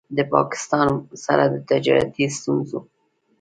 د پاکستان سره د تجارتي ستونځو